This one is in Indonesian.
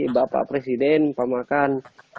bapak presiden pak makan